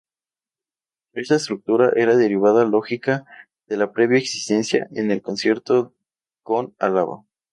Esta estructuración era derivada lógica de la previa existente en el Concierto con Álava.